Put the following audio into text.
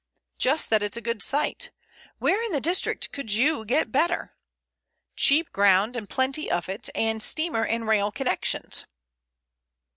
Just that it's a good site. Where in the district could you get a better? Cheap ground and plenty of it, and steamer and rail connections."